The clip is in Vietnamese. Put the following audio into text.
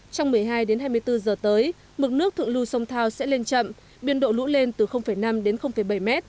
trong một mươi hai đến hai mươi bốn giờ tới mực nước thượng lưu sông thao sẽ lên chậm biên độ lũ lên từ năm đến bảy m